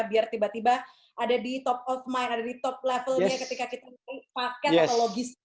biar tiba tiba ada di top of mind ada di top level nya ketika kita pakai teknologi